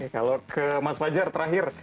kalau ke mas fajar terakhir